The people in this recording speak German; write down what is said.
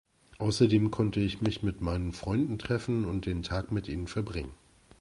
Außerdem konnte ich mich mit meinen Freunden treffen und den Tag mit ihnen verbringen.